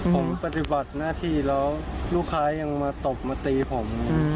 ผมปฏิบัติหน้าที่แล้วลูกค้ายังมาตบมาตีผม